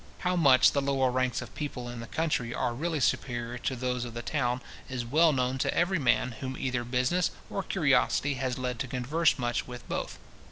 How much the lower ranks of people in the country are really superior to those of the town, is well known to every man whom either business or curiosity has led to converse much with both.